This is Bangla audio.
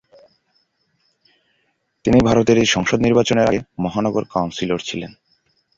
তিনি ভারতের সংসদ নির্বাচনের আগে মহানগর কাউন্সিলর ছিলেন।